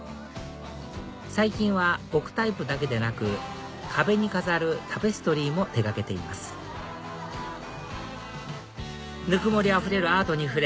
最近は置くタイプだけでなく壁に飾るタペストリーも手がけていますぬくもりあふれるアートに触れ